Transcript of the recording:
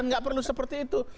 nggak perlu seperti itu